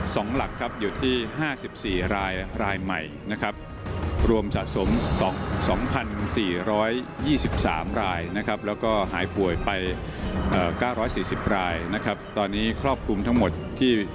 สองหลักครับอยู่ที่๕๔รายรายใหม่นะครับรวมสะสม๒๔๒๓รายนะครับแล้วก็หายป่วยไป๙๔๐รายนะครับตอนนี้ครอบคลุมทั้งหมดที่